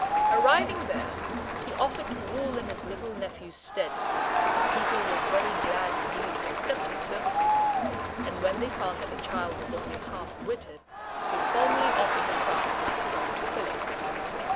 Arriving there, he offered to rule in his little nephew's stead. The people were very glad indeed to accept his services; and when they found that the child was only half witted, they formally offered the crown of Macedon to Philip.